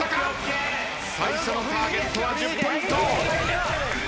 最初のターゲットは１０ポイント。